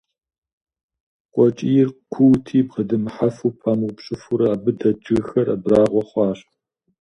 КъуэкӀийр куути, бгъэдэмыхьэфу, памыупщӀыфурэ, абы дэт жыгхэр абрагъуэ хъуащ.